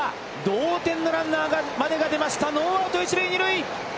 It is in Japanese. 同点のランナーまでが出ました、ノーアウト、一塁二塁。